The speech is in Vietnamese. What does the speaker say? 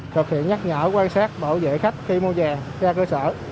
thực hiện nhắc nhở quan sát bảo vệ khách khi mua về ra cơ sở